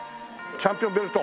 チャンピオンベルト！